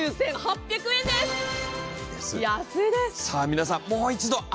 さあ皆さんもう一度。